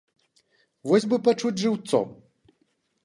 Вось бы пачуць жыўцом!